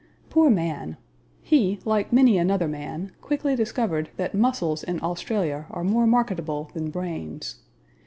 Poor man! He, like many another man, quickly discovered that muscles in Australia are more marketable than brains.